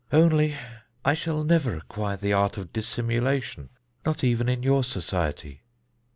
Only I shall never acquire the art of dissimulation, not even in your society."